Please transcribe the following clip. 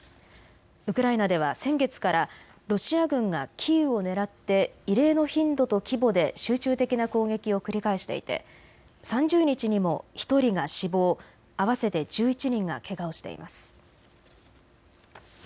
ウクライナでは先月からロシア軍がキーウを狙って異例の頻度と規模で集中的な攻撃を繰り返していて３０日にも１人が死亡、合わせて１１人がけがをしています。